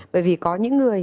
bởi vì có những người